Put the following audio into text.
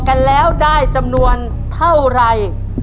ตัวเลือดที่๓ม้าลายกับนกแก้วมาคอ